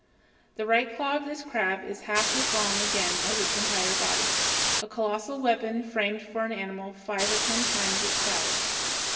The right claw of this crab is half as long again as its entire body a colossal weapon framed for an animal five or ten times its size.